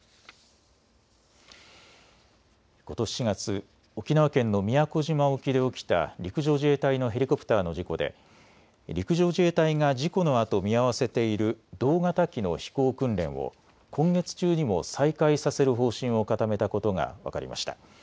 ことし４月、沖縄県の宮古島沖で起きた陸上自衛隊のヘリコプターの事故で陸上自衛隊が事故のあと見合わせている同型機の飛行訓練を今月中にも再開させる方針を固めたことが分かりました。